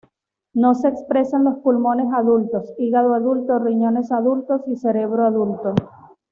No se expresa en los pulmones adultos, hígado adulto, riñones adultos y cerebro adulto.